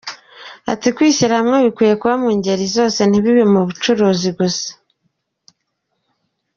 Ati” Kwishyira hamwe bikwiye kuba mu ngeri zose, ntibibe mu bucuruzi gusa.